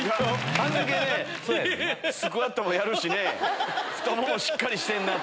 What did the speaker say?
あんだけスクワットもやるしね太ももしっかりしてんなと。